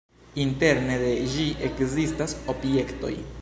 Interne de ĝi ekzistas objektoj.